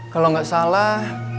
kalau gak salah